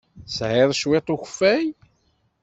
Tesɛiḍ cwiṭ n ukeffay?